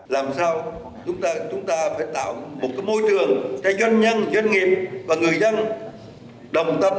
làm sao chúng ta phải tạo một môi trường cho doanh nhân doanh nghiệp và người dân đồng tâm